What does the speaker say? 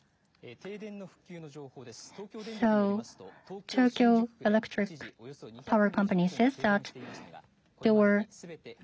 停電の復旧の情報です。